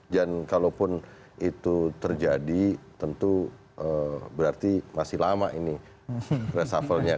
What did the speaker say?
dan kalaupun itu terjadi tentu berarti masih lama ini resafalnya